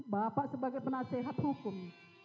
bapak sebagai penasehat hukum